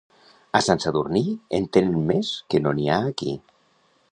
A Sant Sadurní, en tenen més que no n'hi ha aquí.